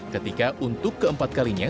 ketika untuk keempat kalinya